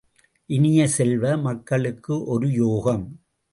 இனிய செல்வ, மக்களுக்கு ஒரு யோகம்?